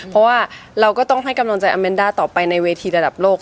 เพราะว่าเราก็ต้องให้กำลังใจอาเมนด้าต่อไปในเวทีระดับโลก